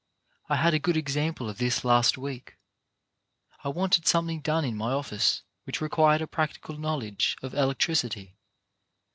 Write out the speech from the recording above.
I had a good example of this last week. I wanted something done in my office which required a practical knowledge of electricity.